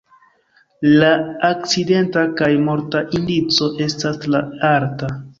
La akcidenta kaj morta indico estas tre alta.